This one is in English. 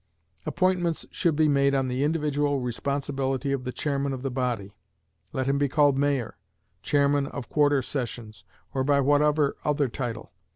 Appointments should be made on the individual responsibility of the chairman of the body, let him be called mayor, chairman of Quarter Sessions, or by whatever other title.